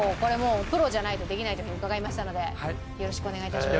プロじゃないとできないというふうに伺いましたのでよろしくお願い致します。